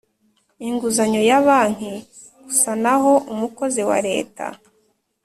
inguzanyo ya banki gusa Naho umukozi wa Leta